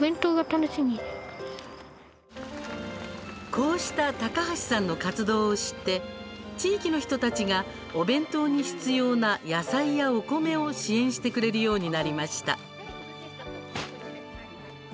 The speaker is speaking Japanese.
こうした高橋さんの活動を知って、地域の人たちがお弁当に必要な野菜や、お米を支援してくれるようになりました。